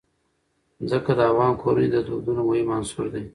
ځمکه د افغان کورنیو د دودونو مهم عنصر دی.